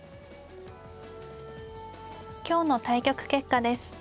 今日の対局結果です。